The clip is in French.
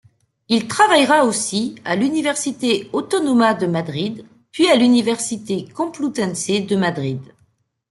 Il travaillera aussi à l´université Autonoma de Madrid, puis à l´université Complutense de Madrid.